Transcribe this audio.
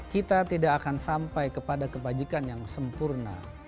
kita tidak akan sampai kepada kebajikan yang sempurna